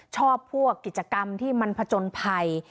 ชอบพวกกิจกรรมที่มันผจญภัย